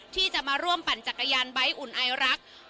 ที่จะมาร่วมปั่นจักรยานใบ้อุ่นไอรัก